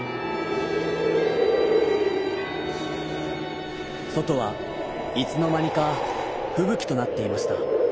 そとはいつのまにかふぶきとなっていました。